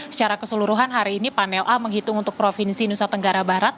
secara keseluruhan hari ini panel a menghitung untuk provinsi nusa tenggara barat